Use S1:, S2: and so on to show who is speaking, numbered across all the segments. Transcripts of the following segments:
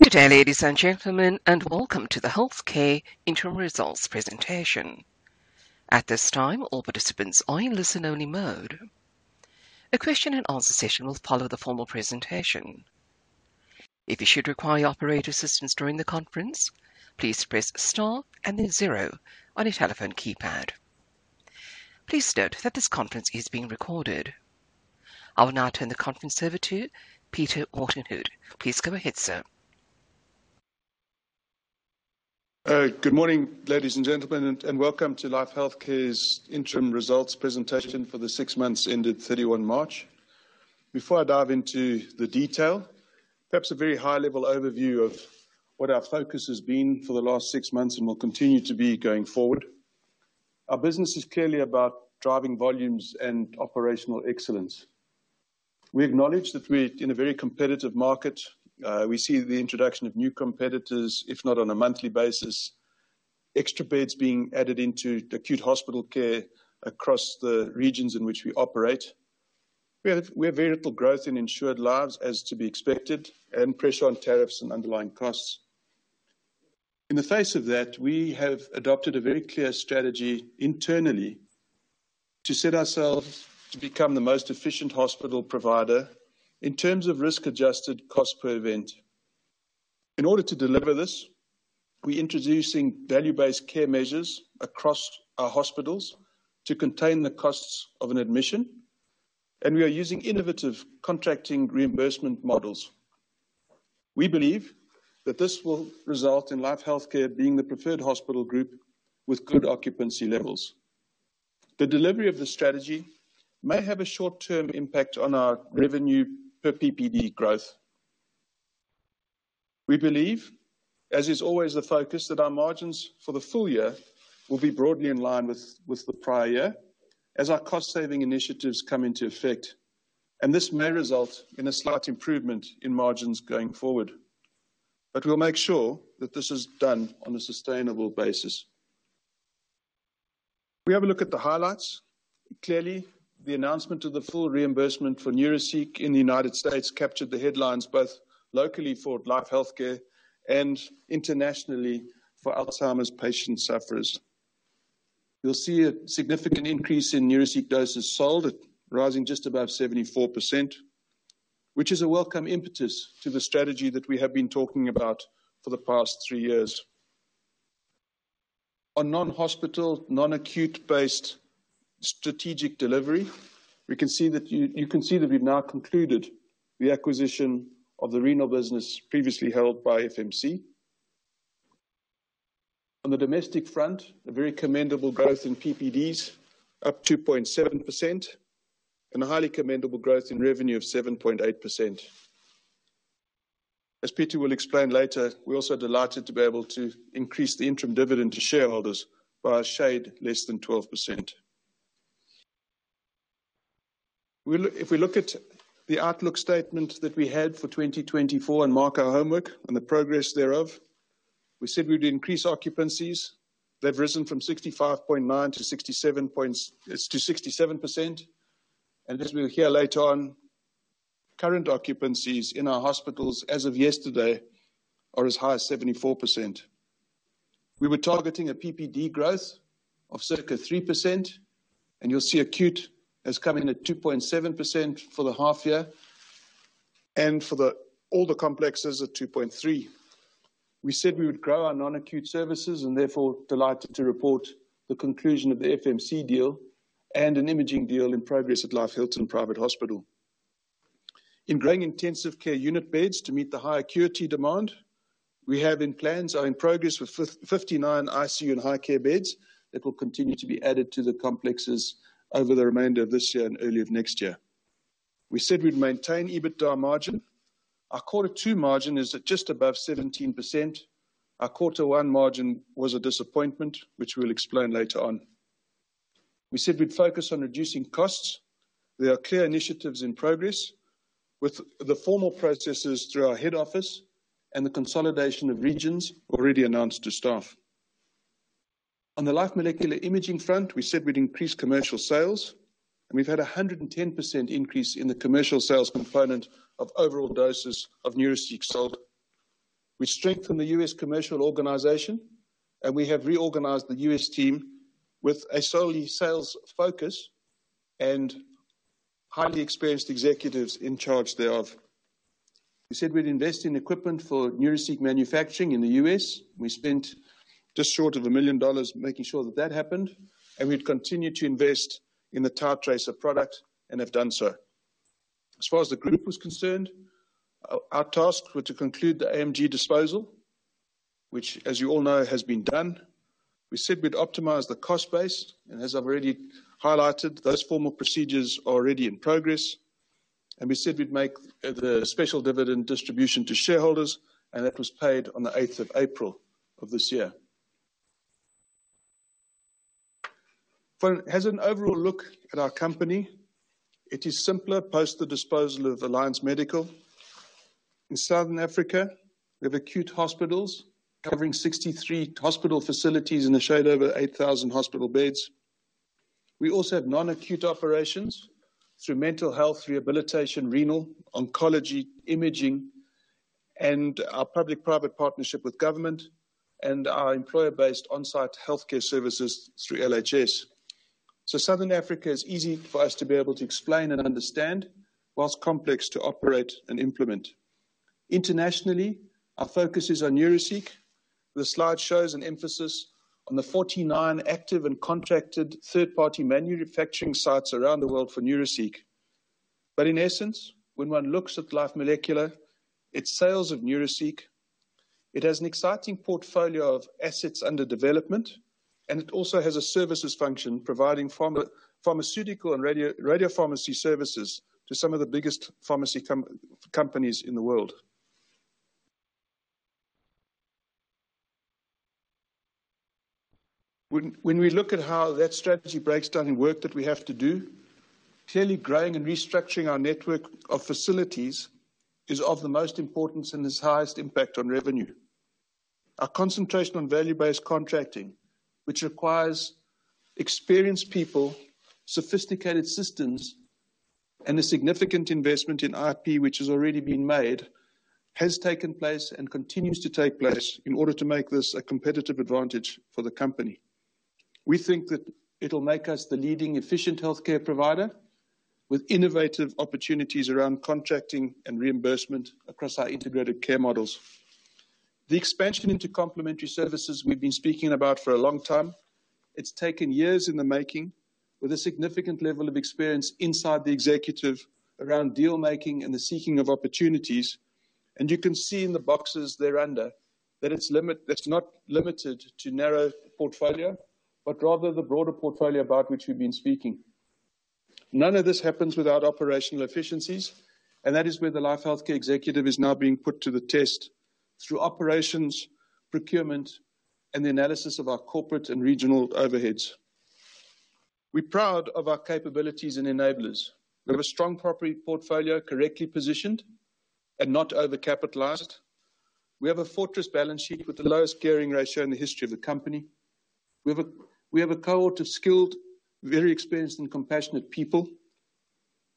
S1: Good day, ladies and gentlemen, and welcome to the Healthcare Interim results presentation. At this time, all participants are in listen-only mode. A question and answer session will follow the formal presentation. If you should require operator assistance during the conference, please press Star and then zero on your telephone keypad. Please note that this conference is being recorded. I will now turn the conference over to Peter Wharton-Hood. Please go ahead, sir.
S2: Good morning, ladies and gentlemen, and welcome to Life Healthcare's interim results presentation for the six months ended 31 March. Before I dive into the detail, perhaps a very high-level overview of what our focus has been for the last six months and will continue to be going forward. Our business is clearly about driving volumes and operational excellence. We acknowledge that we're in a very competitive market. We see the introduction of new competitors, if not on a monthly basis, extra beds being added into acute hospital care across the regions in which we operate. We have very little growth in insured lives, as to be expected, and pressure on tariffs and underlying costs. In the face of that, we have adopted a very clear strategy internally, to set ourselves to become the most efficient hospital provider in terms of risk-adjusted cost per event. In order to deliver this, we introducing value-based care measures across our hospitals to contain the costs of an admission, and we are using innovative contracting reimbursement models. We believe that this will result in Life Healthcare being the preferred hospital group with good occupancy levels. The delivery of the strategy may have a short-term impact on our revenue per PPD growth. We believe, as is always the focus, that our margins for the full year will be broadly in line with, with the prior year, as our cost-saving initiatives come into effect, and this may result in a slight improvement in margins going forward. But we'll make sure that this is done on a sustainable basis. If we have a look at the highlights, clearly, the announcement of the full reimbursement for Neuraceq in the United States captured the headlines, both locally for Life Healthcare and internationally for Alzheimer's patient sufferers. You'll see a significant increase in Neuraceq doses sold, rising just above 74%, which is a welcome impetus to the strategy that we have been talking about for the past three years. On non-hospital, non-acute-based strategic delivery, we can see that you can see that we've now concluded the acquisition of the renal business previously held by FMC. On the domestic front, a very commendable growth in PPDs, up 2.7%, and a highly commendable growth in revenue of 7.8%. As Pieter will explain later, we're also delighted to be able to increase the interim dividend to shareholders by a shade less than 12%. We look... If we look at the outlook statement that we had for 2024 and mark our homework and the progress thereof, we said we'd increase occupancies. They've risen from 65.9% to 67%, and as we'll hear later on, current occupancies in our hospitals as of yesterday are as high as 74%. We were targeting a PPD growth of circa 3%, and you'll see acute has come in at 2.7% for the half year, and for all the complexes at 2.3%. We said we would grow our non-acute services and therefore delighted to report the conclusion of the FMC deal and an imaging deal in progress at Life Hilton Private Hospital. In growing intensive care unit beds to meet the high acuity demand, we have in plans are in progress with 59 ICU and high care beds that will continue to be added to the complexes over the remainder of this year and early of next year. We said we'd maintain EBITDA margin. Our Quarter 2 margin is at just above 17%. Our Quarter 1 margin was a disappointment, which we'll explain later on. We said we'd focus on reducing costs. There are clear initiatives in progress with the formal processes through our head office and the consolidation of regions already announced to staff. On the Life Molecular Imaging front, we said we'd increase commercial sales, and we've had a 110% increase in the commercial sales component of overall doses of Neuraceq sold. We strengthened the U.S. commercial organization, and we have reorganized the U.S. team with a solely sales focus and highly experienced executives in charge thereof. We said we'd invest in equipment for Neuraceq manufacturing in the U.S.. We spent just short of $1 million making sure that that happened, and we'd continue to invest in the Tau tracer product and have done so. As far as the group was concerned, our tasks were to conclude the AMG disposal, which, as you all know, has been done. We said we'd optimize the cost base, and as I've already highlighted, those formal procedures are already in progress. And we said we'd make a, the special dividend distribution to shareholders, and that was paid on the 8th of April of this year. As an overall look at our company, it is simpler post the disposal of Alliance Medical Group. In Southern Africa, we have acute hospitals covering 63 hospital facilities in SA over 8,000 hospital beds. We also have non-acute operations through mental health, rehabilitation, renal, oncology, imaging, and our public-private partnership with government and our employer-based on-site healthcare services through LHS. So Southern Africa is easy for us to be able to explain and understand, while complex to operate and implement. Internationally, our focus is on Neuraceq. The slide shows an emphasis on the 49 active and contracted third-party manufacturing sites around the world for Neuraceq. But in essence, when one looks at Life Molecular, its sales of Neuraceq, it has an exciting portfolio of assets under development, and it also has a services function providing pharmaceutical and radiopharmacy services to some of the biggest pharmaceutical companies in the world. When we look at how that strategy breaks down in work that we have to do, clearly growing and restructuring our network of facilities is of the most importance and has highest impact on revenue. Our concentration on value-based contracting, which requires experienced people, sophisticated systems, and a significant investment in IP, which has already been made, has taken place and continues to take place in order to make this a competitive advantage for the company. We think that it'll make us the leading efficient healthcare provider with innovative opportunities around contracting and reimbursement across our integrated care models. The expansion into complementary services we've been speaking about for a long time. It's taken years in the making, with a significant level of experience inside the executive around deal-making and the seeking of opportunities, and you can see in the boxes thereunder, that it's not limited to narrow portfolio, but rather the broader portfolio about which we've been speaking. None of this happens without operational efficiencies, and that is where the Life Healthcare executive is now being put to the test through operations, procurement, and the analysis of our corporate and regional overheads. We're proud of our capabilities and enablers. We have a strong property portfolio, correctly positioned and not overcapitalized. We have a fortress balance sheet with the lowest gearing ratio in the history of the company. We have a cohort of skilled, very experienced, and compassionate people.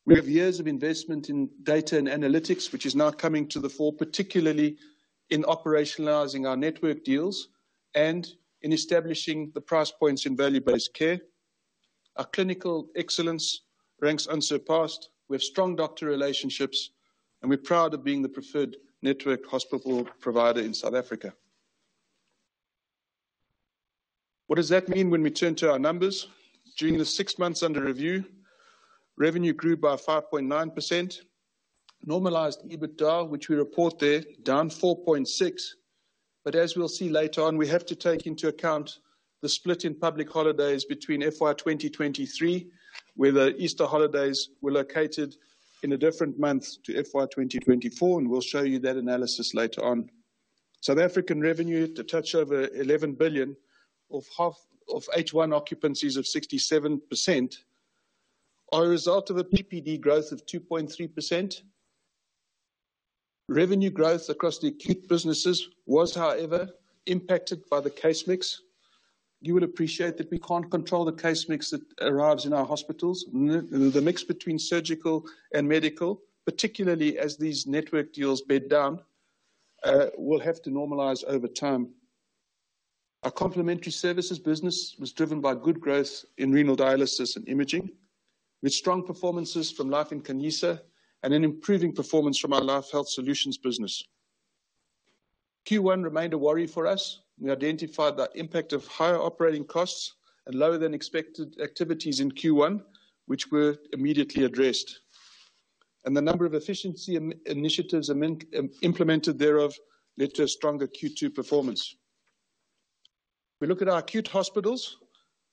S2: We have years of investment in data and analytics, which is now coming to the fore, particularly in operationalizing our network deals and in establishing the price points in value-based care. Our clinical excellence ranks unsurpassed. We have strong doctor relationships, and we're proud of being the preferred network hospital provider in South Africa. What does that mean when we turn to our numbers? During the six months under review, revenue grew by 5.9%. Normalized EBITDA, which we report there, down 4.6%, but as we'll see later on, we have to take into account the split in public holidays between FY 2023, where the Easter holidays were located in a different month to FY 2024, and we'll show you that analysis later on. South African revenue at a touch over 11 billion, of half... of H1 occupancies of 67% are a result of a PPD growth of 2.3%. Revenue growth across the acute businesses was, however, impacted by the case mix. You will appreciate that we can't control the case mix that arrives in our hospitals. The mix between surgical and medical, particularly as these network deals bed down, will have to normalize over time. Our complementary services business was driven by good growth in renal dialysis and imaging, with strong performances from Life Nkanyisa and an improving performance from our Life Health Solutions business. Q1 remained a worry for us. We identified the impact of higher operating costs and lower-than-expected activities in Q1, which were immediately addressed, and the number of efficiency initiatives implemented thereof led to a stronger Q2 performance. We look at our acute hospitals,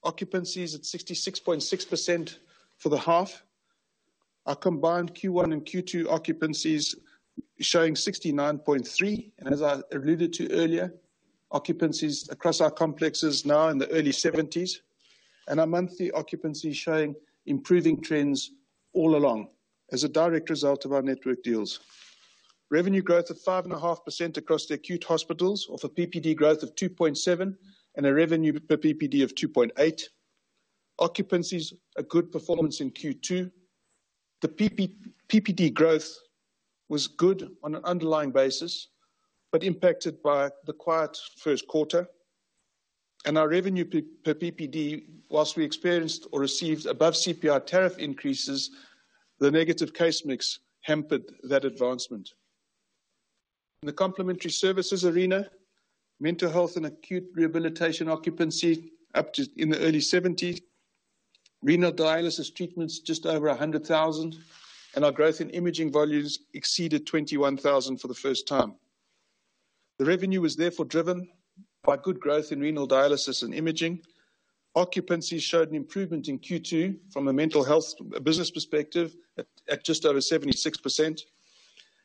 S2: occupancies at 66.6% for the half. Our combined Q1 and Q2 occupancies showing 69.3, and as I alluded to earlier, occupancies across our complexes now in the early 70s, and our monthly occupancy showing improving trends all along as a direct result of our network deals. Revenue growth of 5.5% across the acute hospitals, off a PPD growth of 2.7% and a revenue per PPD of 2.8%. Occupancies, a good performance in Q2. The PPD growth was good on an underlying basis, but impacted by the quiet first quarter. And our revenue per PPD, whilst we experienced or received above CPI tariff increases, the negative case mix hampered that advancement. In the complementary services arena, mental health and acute rehabilitation occupancy up to in the early 70s. Renal dialysis treatments, just over 100,000, and our growth in imaging volumes exceeded 21,000 for the first time. The revenue was therefore driven by good growth in renal dialysis and imaging. Occupancy showed an improvement in Q2 from a mental health business perspective at just over 76%,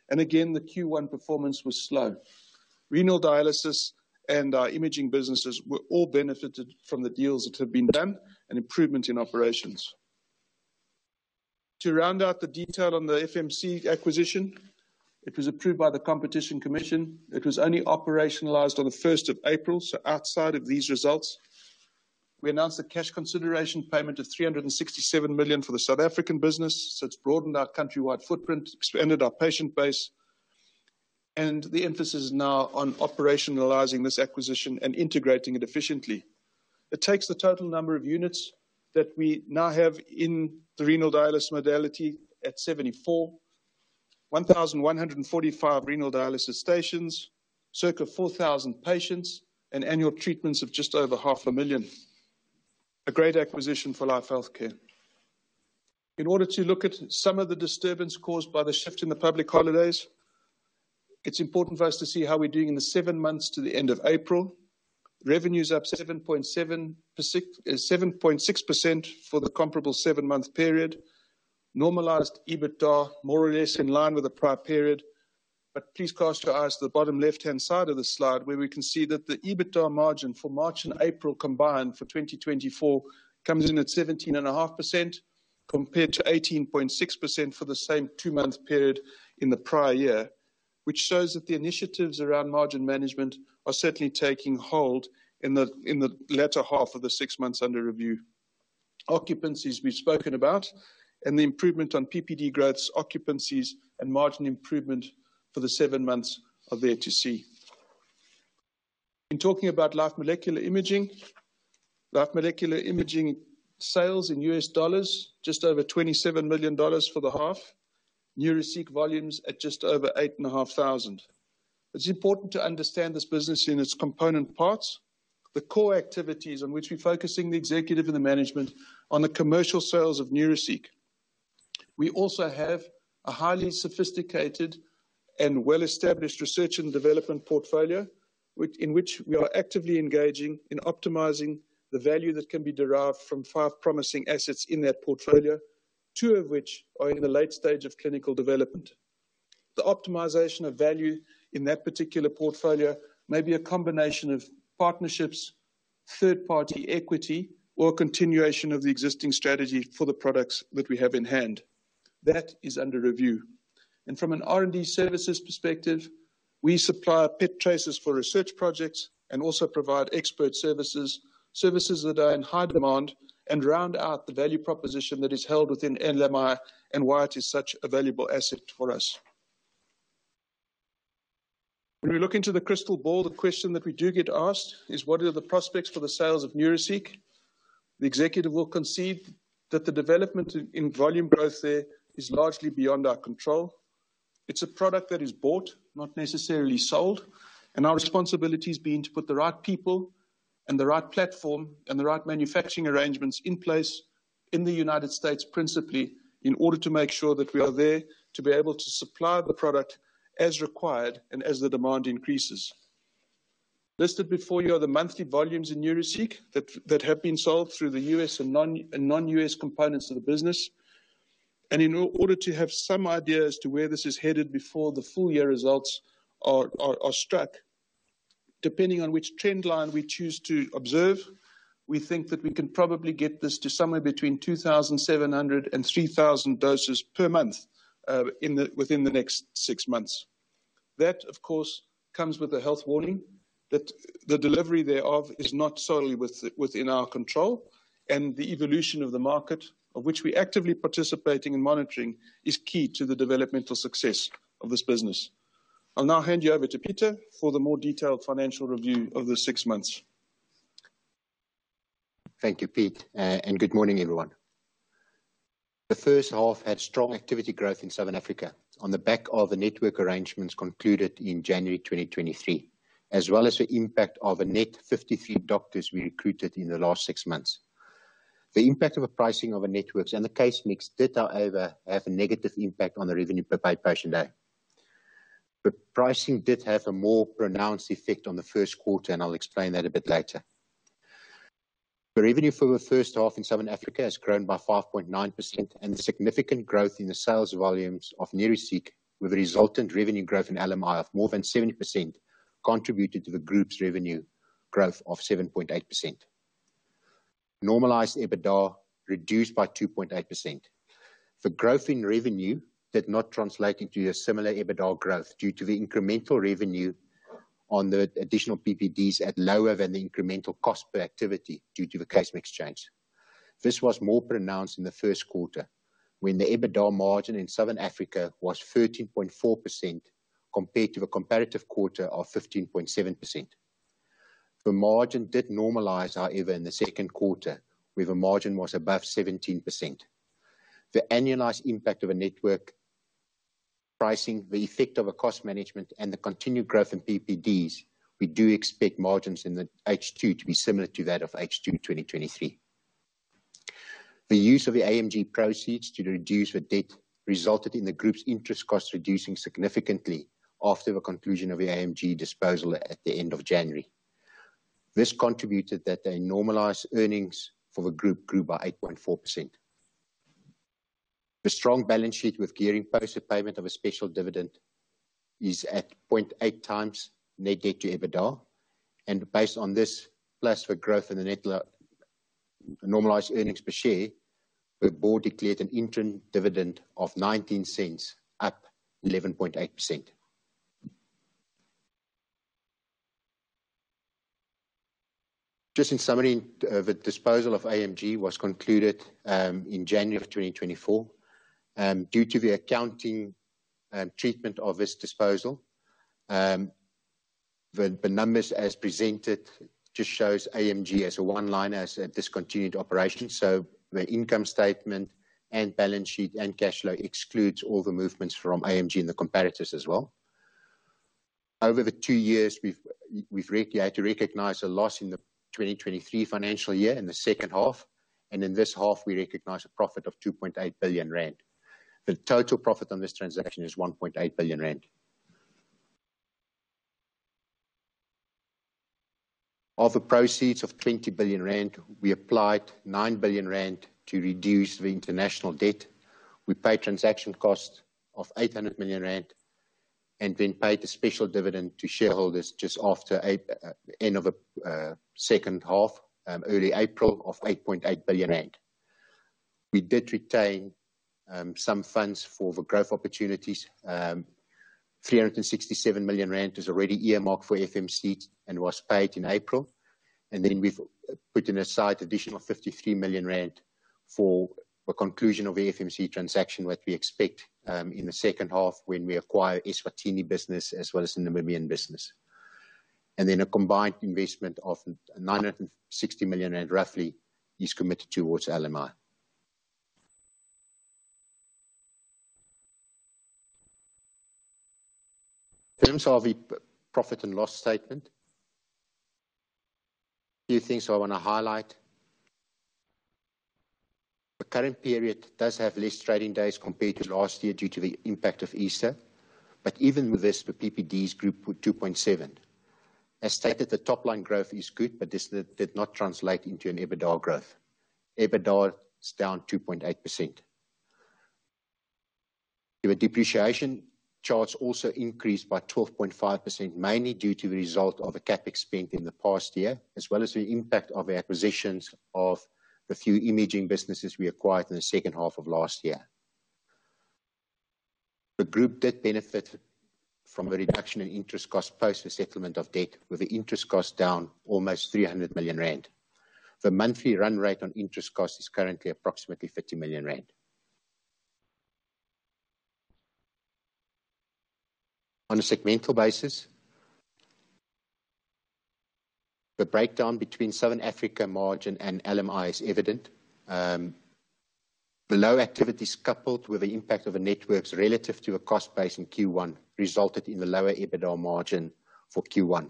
S2: and again, the Q1 performance was slow. Renal dialysis and our imaging businesses were all benefited from the deals that have been done and improvement in operations. To round out the detail on the FMC acquisition, it was approved by the Competition Commission. It was only operationalized on the first of April, so outside of these results. We announced a cash consideration payment of 367 million for the South African business, so it's broadened our countrywide footprint, expanded our patient base, and the emphasis is now on operationalizing this acquisition and integrating it efficiently. It takes the total number of units that we now have in the renal dialysis modality at 74. 1,145 renal dialysis stations, circa 4,000 patients, and annual treatments of just over half a million. A great acquisition for Life Healthcare. In order to look at some of the disturbance caused by the shift in the public holidays, it's important for us to see how we're doing in the seven months to the end of April. Revenue is up 7.6% for the comparable seven-month period. Normalized EBITDA, more or less in line with the prior period. But please cast your eyes to the bottom left-hand side of the slide, where we can see that the EBITDA margin for March and April combined for 2024 comes in at 17.5%, compared to 18.6% for the same two-month period in the prior year, which shows that the initiatives around margin management are certainly taking hold in the latter half of the six months under review. Occupancies, we've spoken about, and the improvement on PPD growth, occupancies, and margin improvement for the seven months are there to see. In talking about Life Molecular Imaging, Life Molecular Imaging sales in US dollars, just over $27 million for the half. Neuraceq volumes at just over 8,500. It's important to understand this business in its component parts. The core activities on which we're focusing the executive and the management on the commercial sales of Neuraceq. We also have a highly sophisticated and well-established research and development portfolio, in which we are actively engaging in optimizing the value that can be derived from five promising assets in that portfolio, two of which are in the late stage of clinical development. The optimization of value in that particular portfolio may be a combination of partnerships, third-party equity, or continuation of the existing strategy for the products that we have in hand. That is under review. From an R&D services perspective, we supply PET tracers for research projects and also provide expert services, services that are in high demand, and round out the value proposition that is held within LMI and why it is such a valuable asset for us. When we look into the crystal ball, the question that we do get asked is: What are the prospects for the sales of Neuraceq? The executive will concede that the development in volume growth there is largely beyond our control. It's a product that is bought, not necessarily sold, and our responsibility has been to put the right people and the right platform and the right manufacturing arrangements in place in the United States, principally, in order to make sure that we are there to be able to supply the product as required and as the demand increases. Listed before you are the monthly volumes in Neuraceq that have been sold through the US and non-US components of the business. In order to have some idea as to where this is headed before the full year results are struck, depending on which trend line we choose to observe, we think that we can probably get this to somewhere between 2,700 and 3,000 doses per month within the next six months. That, of course, comes with a health warning, that the delivery thereof is not solely within our control, and the evolution of the market, of which we're actively participating and monitoring, is key to the developmental success of this business. I'll now hand you over to Pieter for the more detailed financial review of the six months.
S3: Thank you, Pete, and good morning, everyone. The first half had strong activity growth in Southern Africa on the back of the network arrangements concluded in January 2023, as well as the impact of the net 53 doctors we recruited in the last six months. The impact of the pricing of the networks and the case mix did, however, have a negative impact on the revenue per paid patient day. The pricing did have a more pronounced effect on the first quarter, and I'll explain that a bit later. The revenue for the first half in Southern Africa has grown by 5.9%, and the significant growth in the sales volumes of Neuraceq, with the resultant revenue growth in LMI of more than 70%, contributed to the group's revenue growth of 7.8%. Normalized EBITDA reduced by 2.8%. The growth in revenue did not translate into a similar EBITDA growth due to the incremental revenue on the additional PPDs at lower than the incremental cost per activity due to the case mix change. This was more pronounced in the first quarter, when the EBITDA margin in Southern Africa was 13.4% compared to the comparative quarter of 15.7%. The margin did normalize, however, in the second quarter, where the margin was above 17%. The annualized impact of a network pricing, the effect of a cost management, and the continued growth in PPDs, we do expect margins in the H2 to be similar to that of H2 2023. The use of the AMG proceeds to reduce the debt resulted in the group's interest costs reducing significantly after the conclusion of the AMG disposal at the end of January. This contributed that the normalized earnings for the group grew by 8.4%. The strong balance sheet with gearing post the payment of a special dividend is at 0.8 times net debt to EBITDA. And based on this, plus the growth in the normalized earnings per share, the board declared an interim dividend of 0.19, up 11.8%. Just in summary, the disposal of AMG was concluded in January of 2024. Due to the accounting treatment of this disposal, the numbers as presented just shows AMG as a one-liner, as a discontinued operation. So the income statement and balance sheet, and cash flow excludes all the movements from AMG and the comparators as well. Over the two years, we've had to recognize a loss in the 2023 financial year, in the second half, and in this half we recognize a profit of 2.8 billion rand. The total profit on this transaction is 1.8 billion rand. Of the proceeds of 20 billion rand, we applied 9 billion rand to reduce the international debt. We paid transaction costs of 800 million rand, and then paid a special dividend to shareholders just after end of the second half, early April, of 8.8 billion rand. We did retain some funds for the growth opportunities. 367 million rand is already earmarked for FMC and was paid in April. And then we've putting aside additional 53 million rand for the conclusion of the FMC transaction, what we expect in the second half when we acquire Eswatini business as well as the Namibian business. And then a combined investment of 960 million, roughly, is committed towards LMI. In terms of the profit and loss statement, few things I wanna highlight. The current period does have less trading days compared to last year due to the impact of Easter. But even with this, the PPDs group grew 2.7%. As stated, the top line growth is good, but this did not translate into an EBITDA growth. EBITDA is down 2.8%. The depreciation charge also increased by 12.5%, mainly due to the result of the CapEx spend in the past year, as well as the impact of the acquisitions of the few imaging businesses we acquired in the second half of last year. The group did benefit from a reduction in interest costs post the settlement of debt, with the interest costs down almost 300 million rand. The monthly run rate on interest costs is currently approximately 50 million rand. On a segmental basis, the breakdown between Southern Africa margin and LMI is evident. The low activities, coupled with the impact of the networks relative to the cost base in Q1, resulted in the lower EBITDA margin for Q1.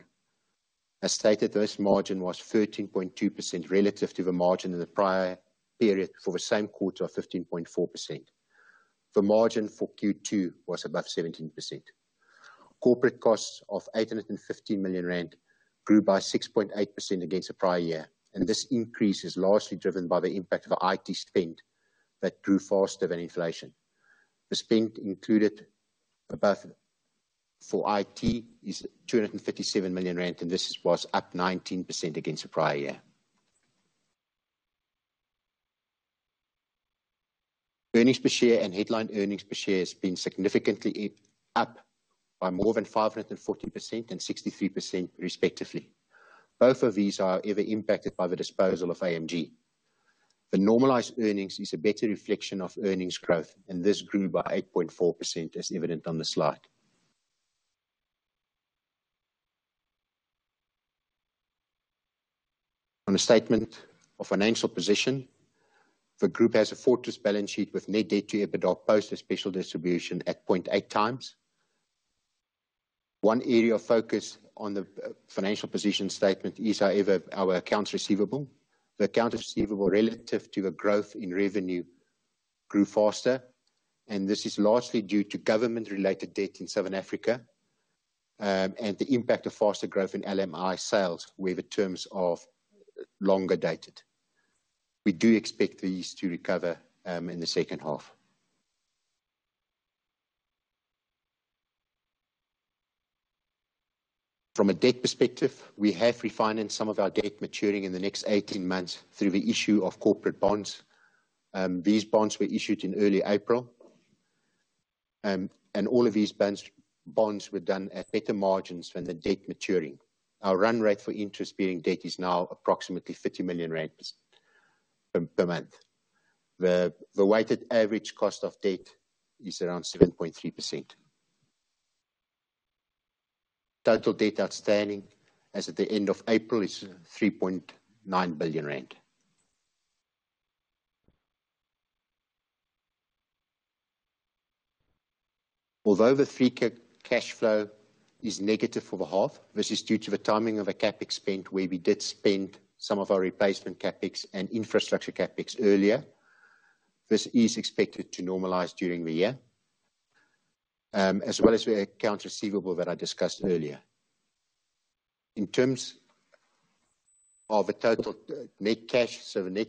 S3: As stated, this margin was 13.2% relative to the margin in the prior period for the same quarter of 15.4%. The margin for Q2 was above 17%. Corporate costs of 815 million rand grew by 6.8% against the prior year, and this increase is largely driven by the impact of IT spend that grew faster than inflation. The spend included above for IT is 257 million rand, and this was up 19% against the prior year. Earnings per share and headline earnings per share has been significantly up by more than 540% and 63% respectively. Both of these are, however, impacted by the disposal of AMG. The normalized earnings is a better reflection of earnings growth, and this grew by 8.4%, as evident on the slide. On a statement of financial position, the group has a fortress balance sheet with net debt to EBITDA post a special distribution at 0.8x. One area of focus on the financial position statement is, however, our accounts receivable. The accounts receivable relative to the growth in revenue grew faster, and this is largely due to government-related debt in Southern Africa, and the impact of faster growth in LMI sales, where the terms are longer dated. We do expect these to recover in the second half. From a debt perspective, we have refinanced some of our debt maturing in the next 18 months through the issue of corporate bonds. These bonds were issued in early April, and all of these bonds were done at better margins than the debt maturing. Our run rate for interest-bearing debt is now approximately 50 million rand per month. The weighted average cost of debt is around 7.3%. Total debt outstanding as at the end of April is 3.9 billion rand. Although the free cash flow is negative for the half, this is due to the timing of the CapEx spend, where we did spend some of our replacement CapEx and infrastructure CapEx earlier. This is expected to normalize during the year, as well as the accounts receivable that I discussed earlier. In terms of the total net cash, so the net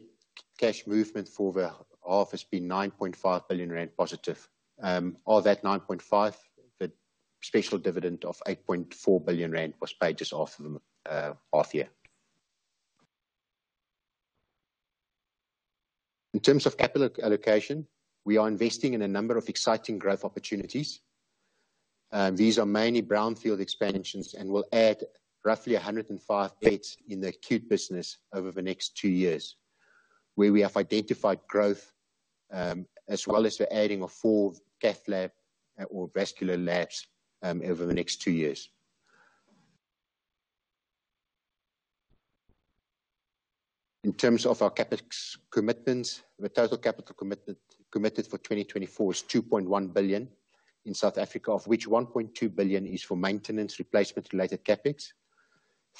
S3: cash movement for the half has been 9.5 billion rand positive. Of that 9.5 billion, the special dividend of 8.4 billion rand was paid just off the half year. In terms of capital allocation, we are investing in a number of exciting growth opportunities. These are mainly brownfield expansions and will add roughly 105 beds in the acute business over the next two years, where we have identified growth, as well as the adding of 4 cath lab or vascular labs over the next two years. In terms of our CapEx commitments, the total capital commitment committed for 2024 is 2.1 billion in South Africa, of which 1.2 billion is for maintenance replacement related CapEx,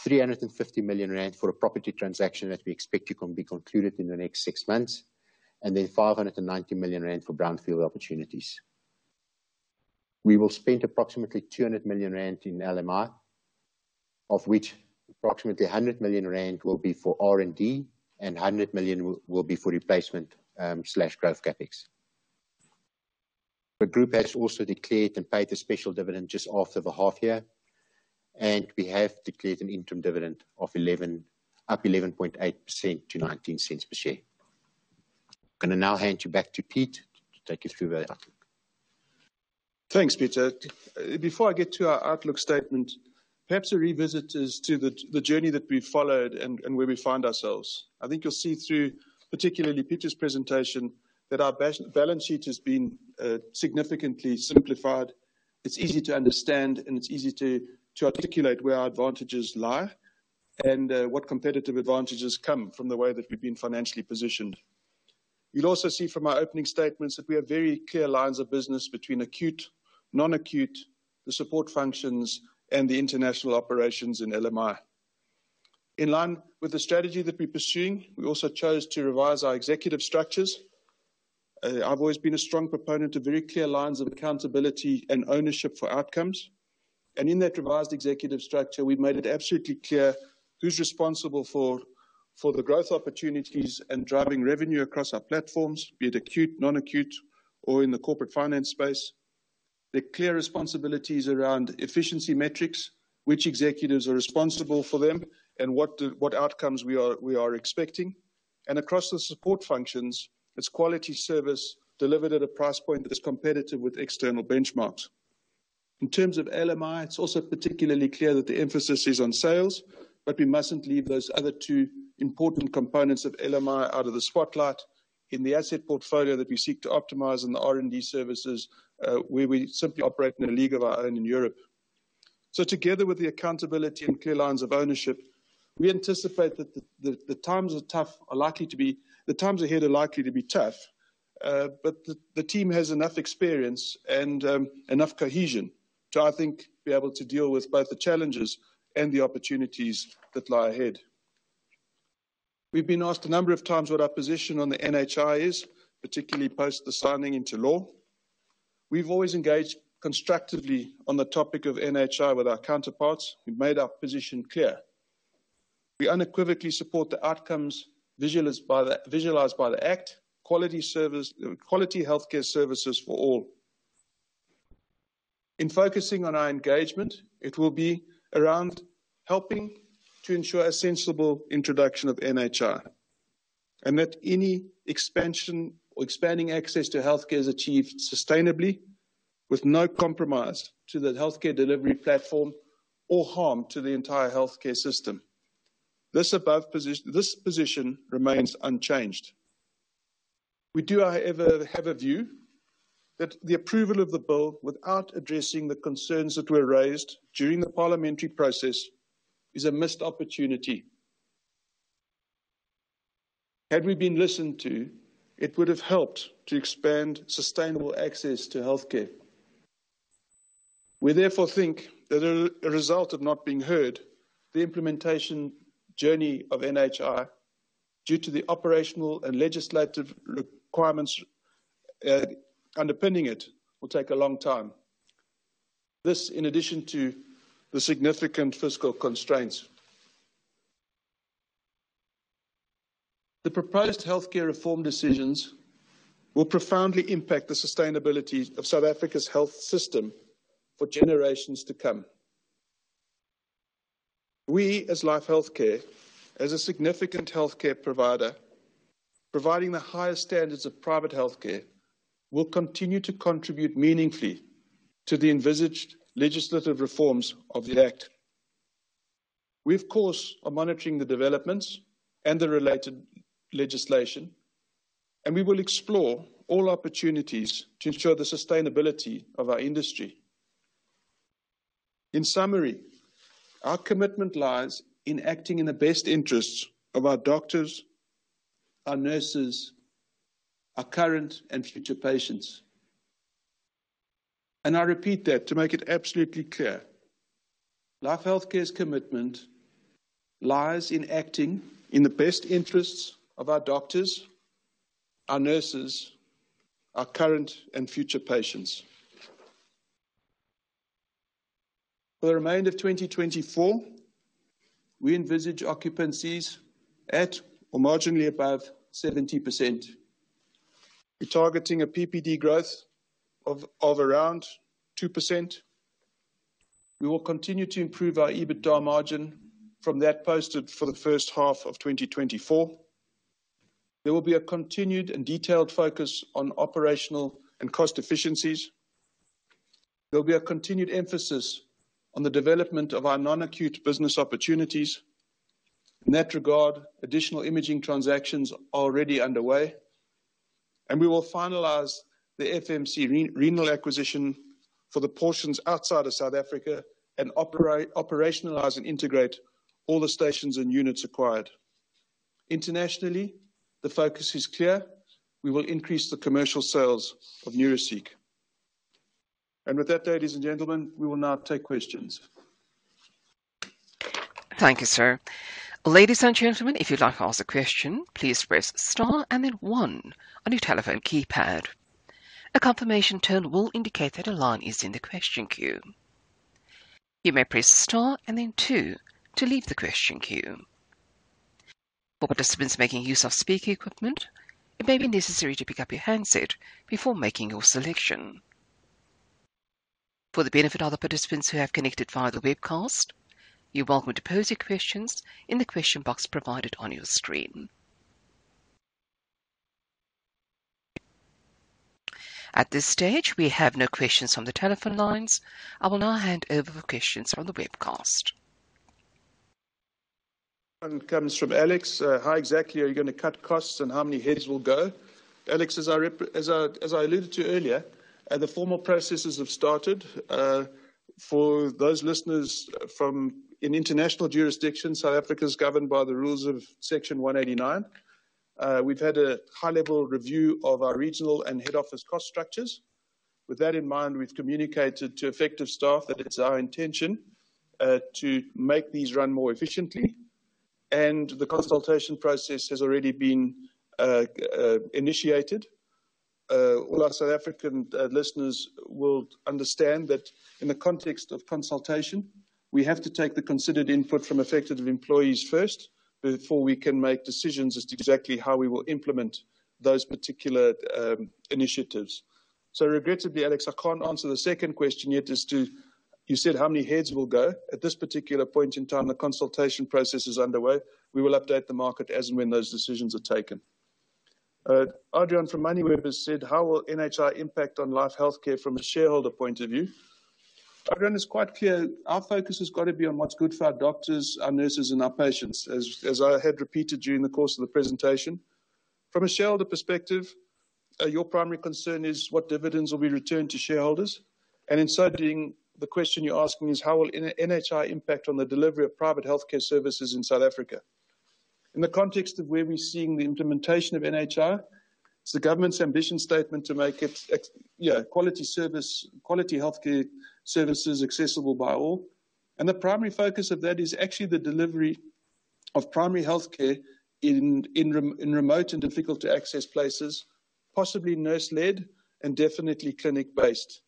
S3: 350 million rand for a property transaction that we expect to be concluded in the next six months, and then 590 million rand for brownfield opportunities. We will spend approximately 200 million rand in LMI, of which approximately 100 million rand will be for R&D, and 100 million will be for replacement slash growth CapEx. The group has also declared and paid a special dividend just after the half year, and we have declared an interim dividend of up 11.8% to 0.19 per share. I'm gonna now hand you back to Pete to take you through the outlook.
S2: Thanks, Pieter. Before I get to our outlook statement, perhaps a revisit as to the journey that we followed and where we find ourselves. I think you'll see through, particularly Peter's presentation, that our balance sheet has been significantly simplified. It's easy to understand, and it's easy to articulate where our advantages lie and what competitive advantages come from the way that we've been financially positioned. You'll also see from my opening statements that we have very clear lines of business between acute, non-acute, the support functions, and the international operations in LMI. In line with the strategy that we're pursuing, we also chose to revise our executive structures. I've always been a strong proponent of very clear lines of accountability and ownership for outcomes, and in that revised executive structure, we've made it absolutely clear who's responsible for the growth opportunities and driving revenue across our platforms, be it acute, non-acute, or in the corporate finance space. The clear responsibilities around efficiency metrics, which executives are responsible for them, and what outcomes we are expecting. And across the support functions, it's quality service delivered at a price point that is competitive with external benchmarks. In terms of LMI, it's also particularly clear that the emphasis is on sales, but we mustn't leave those other two important components of LMI out of the spotlight in the asset portfolio that we seek to optimize and the R&D services, where we simply operate in a league of our own in Europe. So together with the accountability and clear lines of ownership, we anticipate that the times ahead are likely to be tough, but the team has enough experience and enough cohesion to, I think, be able to deal with both the challenges and the opportunities that lie ahead. We've been asked a number of times what our position on the NHI is, particularly post the signing into law. We've always engaged constructively on the topic of NHI with our counterparts. We've made our position clear. We unequivocally support the outcomes visualized by the Act: quality service, quality healthcare services for all. In focusing on our engagement, it will be around helping to ensure a sensible introduction of NHI, and that any expansion or expanding access to healthcare is achieved sustainably with no compromise to the healthcare delivery platform or harm to the entire healthcare system. This position remains unchanged. We do, however, have a view that the approval of the bill without addressing the concerns that were raised during the parliamentary process is a missed opportunity. Had we been listened to, it would have helped to expand sustainable access to healthcare. We therefore think that as a result of not being heard, the implementation journey of NHI, due to the operational and legislative requirements underpinning it, will take a long time. This, in addition to the significant fiscal constraints. The proposed healthcare reform decisions will profoundly impact the sustainability of South Africa's health system for generations to come. We, as Life Healthcare, as a significant healthcare provider, providing the highest standards of private healthcare, will continue to contribute meaningfully to the envisaged legislative reforms of the Act. We, of course, are monitoring the developments and the related legislation, and we will explore all opportunities to ensure the sustainability of our industry. In summary, our commitment lies in acting in the best interests of our doctors, our nurses, our current and future patients. And I repeat that to make it absolutely clear: Life Healthcare's commitment lies in acting in the best interests of our doctors... our nurses, our current and future patients. For the remainder of 2024, we envisage occupancies at or marginally above 70%. We're targeting a PPD growth of around 2%. We will continue to improve our EBITDA margin from that posted for the first half of 2024. There will be a continued and detailed focus on operational and cost efficiencies. There will be a continued emphasis on the development of our non-acute business opportunities. In that regard, additional imaging transactions are already underway, and we will finalize the FMC renal acquisition for the portions outside of South Africa and operationalize and integrate all the stations and units acquired. Internationally, the focus is clear: we will increase the commercial sales of Neuraceq. And with that, ladies and gentlemen, we will now take questions.
S1: Thank you, sir. Ladies and gentlemen, if you'd like to ask a question, please press star and then one on your telephone keypad. A confirmation tone will indicate that a line is in the question queue. You may press star and then two to leave the question queue. For participants making use of speaker equipment, it may be necessary to pick up your handset before making your selection. For the benefit of the participants who have connected via the webcast, you're welcome to pose your questions in the question box provided on your screen. At this stage, we have no questions from the telephone lines. I will now hand over the questions from the webcast.
S2: One comes from Alex: How exactly are you gonna cut costs, and how many heads will go? Alex, as I alluded to earlier, the formal processes have started. For those listeners from international jurisdictions, South Africa is governed by the rules of Section 189. We've had a high-level review of our regional and head office cost structures. With that in mind, we've communicated to affected staff that it's our intention to make these run more efficiently, and the consultation process has already been initiated. All our South African listeners will understand that in the context of consultation, we have to take the considered input from affected employees first before we can make decisions as to exactly how we will implement those particular initiatives. So regrettably, Alex, I can't answer the second question yet as to... You said, "How many heads will go?" At this particular point in time, the consultation process is underway. We will update the market as and when those decisions are taken. Adriaan from Moneyweb has said: How will NHI impact on Life Healthcare from a shareholder point of view? Adriaan, it's quite clear our focus has got to be on what's good for our doctors, our nurses, and our patients, as, as I had repeated during the course of the presentation. From a shareholder perspective, your primary concern is what dividends will be returned to shareholders. And in so doing, the question you're asking is, how will NHI impact on the delivery of private healthcare services in South Africa? In the context of where we're seeing the implementation of NHI, it's the government's ambition statement to make it yeah, quality service, quality healthcare services accessible by all. And the primary focus of that is actually the delivery of primary healthcare in remote and difficult to access places, possibly nurse-led and definitely clinic-based.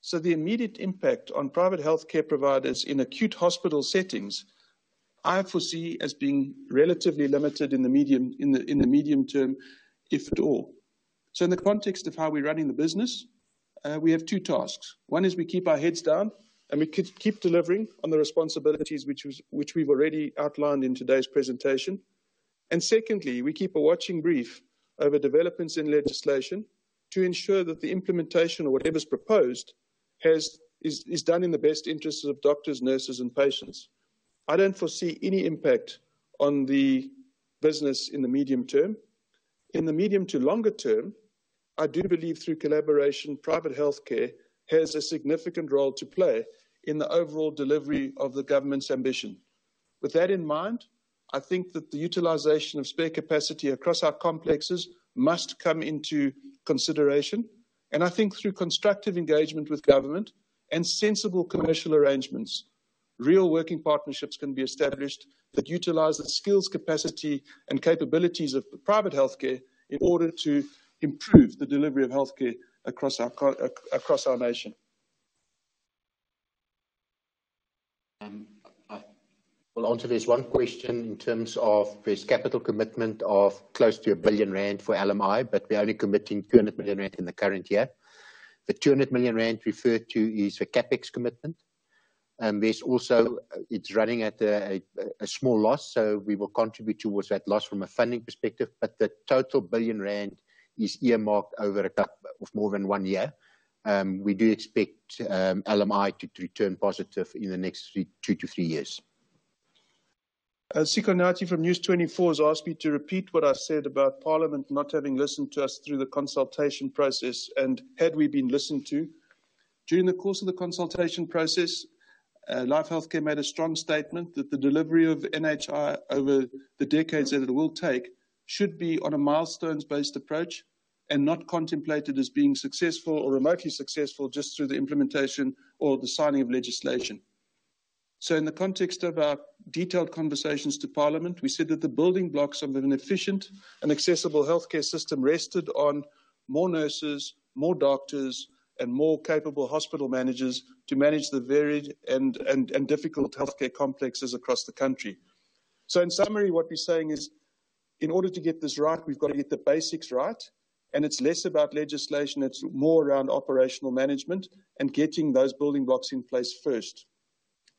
S2: So the immediate impact on private healthcare providers in acute hospital settings, I foresee as being relatively limited in the medium term, if at all. So in the context of how we're running the business, we have two tasks. One is we keep our heads down, and we keep delivering on the responsibilities, which we've already outlined in today's presentation. And secondly, we keep a watching brief over developments in legislation to ensure that the implementation or whatever's proposed is done in the best interests of doctors, nurses, and patients. I don't foresee any impact on the business in the medium term. In the medium to longer term, I do believe through collaboration, private healthcare has a significant role to play in the overall delivery of the government's ambition. With that in mind, I think that the utilization of spare capacity across our complexes must come into consideration, and I think through constructive engagement with government and sensible commercial arrangements, real working partnerships can be established that utilize the skills, capacity, and capabilities of the private healthcare in order to improve the delivery of healthcare across our nation.
S3: I will answer this one question in terms of there's capital commitment of close to a billion rand for LMI, but we're only committing 200 million rand in the current year. The 200 million rand referred to is a CapEx commitment, and there's also. It's running at a small loss, so we will contribute towards that loss from a funding perspective, but the total billion rand is earmarked over a couple of more than one year. We do expect LMI to turn positive in the next two to three years.
S2: Sikonathi from News24 has asked me to repeat what I said about Parliament not having listened to us through the consultation process, and had we been listened to. During the course of the consultation process, Life Healthcare made a strong statement that the delivery of NHI over the decades that it will take, should be on a milestones-based approach and not contemplated as being successful or remotely successful just through the implementation or the signing of legislation. So in the context of our detailed conversations to Parliament, we said that the building blocks of an efficient and accessible healthcare system rested on more nurses, more doctors, and more capable hospital managers to manage the varied and difficult healthcare complexes across the country. So in summary, what we're saying is, in order to get this right, we've got to get the basics right, and it's less about legislation, it's more around operational management and getting those building blocks in place first.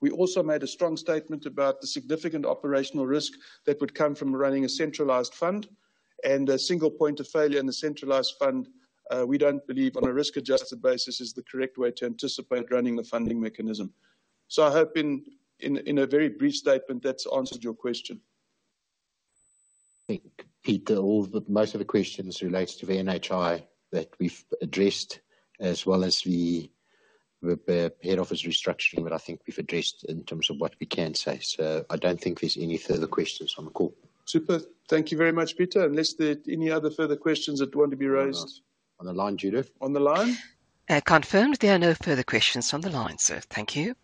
S2: We also made a strong statement about the significant operational risk that would come from running a centralized fund and a single point of failure in the centralized fund. We don't believe on a risk-adjusted basis is the correct way to anticipate running the funding mechanism. So I hope in a very brief statement, that's answered your question.
S3: I think, Peter, all the... Most of the questions relates to the NHI that we've addressed, as well as the head office restructuring, but I think we've addressed in terms of what we can say, so I don't think there's any further questions on the call.
S2: Super. Thank you very much, Pieter. Unless there's any other further questions that want to be raised?
S3: On the line, Judith?
S2: On the line.
S1: Confirmed there are no further questions on the line, sir. Thank you.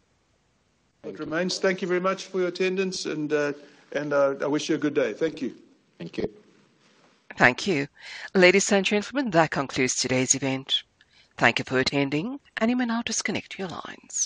S2: It remains. Thank you very much for your attendance, and, and, I wish you a good day. Thank you.
S3: Thank you.
S1: Thank you. Ladies and gentlemen, that concludes today's event. Thank you for attending, and you may now disconnect your lines.